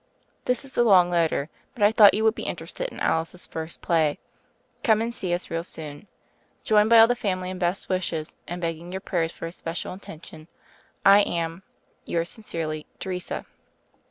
"This is a long letter; but I thought you would be interested in Alice's first play. Come and see us real soon. Joined by all tne family in best wishes, and begging your prayers for a special intention, I am, "Yours sincerely, "Teresa."